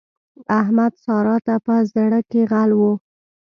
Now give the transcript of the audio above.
احمد؛ سارا ته په زړ کې غل وو.